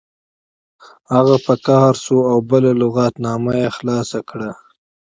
هغه په قهر شو او بله لغتنامه یې خلاصه کړه